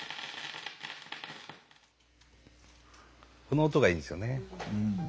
この音がいいですよね。